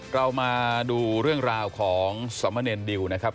เรามาดูเรื่องราวของสมเนรดิวนะครับ